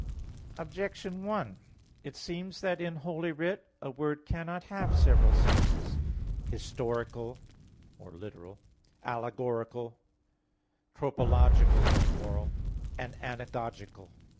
Objection 1: It seems that in Holy Writ a word cannot have several senses, historical or literal, allegorical, tropological or moral, and anagogical.